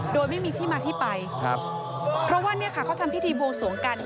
โดยไม่มีที่มาที่ไปครับเพราะว่าเนี่ยค่ะเขาทำพิธีบวงสวงกัน